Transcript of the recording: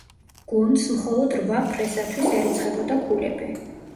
გუნდს მხოლოდ რვა ფრესათვის ერიცხებოდა ქულები.